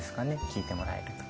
聞いてもらえると。